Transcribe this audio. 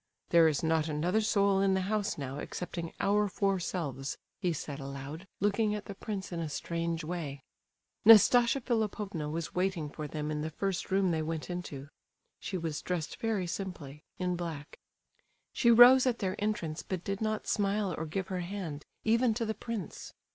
"There is not another soul in the house now excepting our four selves," he said aloud, looking at the prince in a strange way. Nastasia Philipovna was waiting for them in the first room they went into. She was dressed very simply, in black. She rose at their entrance, but did not smile or give her hand, even to the prince.